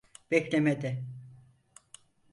Beklemede.